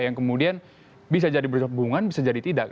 yang kemudian bisa jadi berhubungan bisa jadi tidak